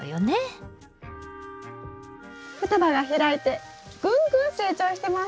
双葉が開いてぐんぐん成長してます。